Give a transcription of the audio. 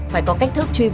phải có cách thức truy vụ